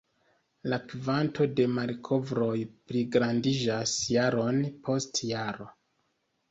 La kvanto de malkovroj pligrandiĝas jaron post jaro.